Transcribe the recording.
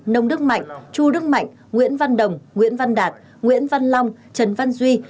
nông đức mạnh chu đức mạnh nguyễn văn đồng nguyễn văn đạt nguyễn văn long trần văn duy